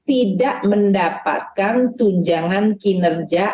dan tidak mendapatkan tunjangan kinerja